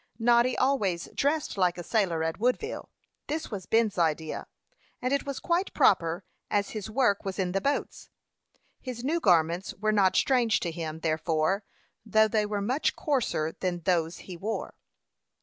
Noddy always dressed like a sailor at Woodville. This was Ben's idea, and it was quite proper, as his work was in the boats. His new garments were not strange to him, therefore, though they were much coarser than those he wore.